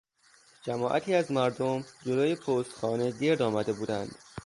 جماعتی از مردم جلو پستخانه گرد آمده بودند.